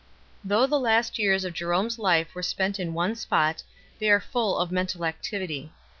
Though the last years of Jerome s life were spent in one spot, they were full of mental activity.